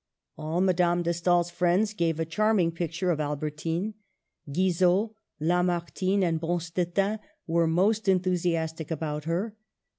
All Madame de Stael's friends gave a charm ing picture of Albertine. Guizot, Lamartine, and Bonstetten were most enthusiastic about her.